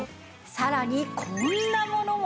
さらにこんなものも。